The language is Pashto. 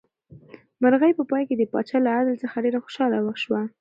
مرغۍ په پای کې د پاچا له عدل څخه ډېره خوشحاله شوه.